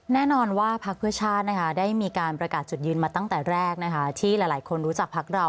แน่นอนว่าพักเพื่อชาติได้มีการประกาศจุดยืนมาตั้งแต่แรกที่หลายคนรู้จักพักเรา